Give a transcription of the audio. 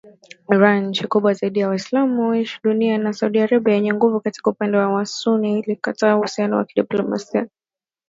Iran, nchi kubwa zaidi ya waislam washia duniani, na Saudi Arabia yenye nguvu katika upande wa wasunni, ilikataa uhusiano wa kidiplomasia